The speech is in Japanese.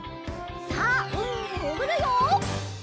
さあうみにもぐるよ！